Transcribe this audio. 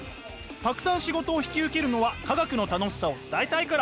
たくさん仕事を引き受けるのは化学の楽しさを伝えたいから。